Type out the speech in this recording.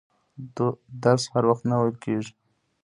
درس هر وخت نه ویل کیږي.